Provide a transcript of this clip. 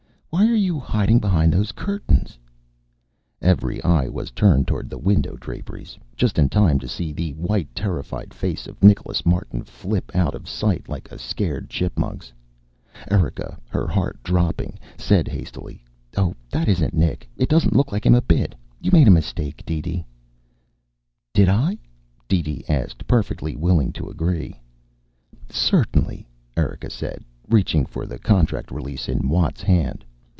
"What are you hiding behind those curtains for?" Every eye was turned toward the window draperies, just in time to see the white, terrified face of Nicholas Martin flip out of sight like a scared chipmunk's. Erika, her heart dropping, said hastily, "Oh, that isn't Nick. It doesn't look a bit like him. You made a mistake, DeeDee." "Did I?" DeeDee asked, perfectly willing to agree. "Certainly," Erika said, reaching for the contract release in Watt's hand.